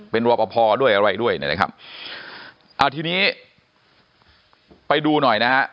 เป็นรอปภด้วยอะไรด้วยนะครับอ่าทีนี้ไปดูหน่อยนะฮะ